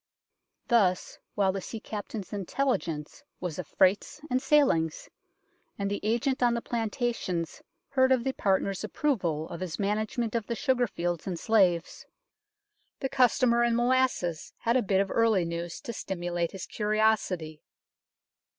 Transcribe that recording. Thus, while the sea captain's intelligence was of freights and sailings, and the agent on the planta tions heard of the partners' approval of his management of the sugar fields and slaves, the customer in molasses had a bit of early news to stimulate his curiosity.